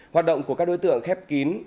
hoạt động của các đối tượng khép kín